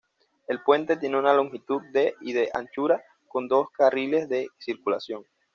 El puente tiene una longitud de y de anchura, con dos carriles de circulación.